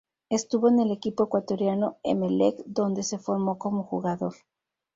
Estuvo en el equipo ecuatoriano Emelec donde se formó como jugador.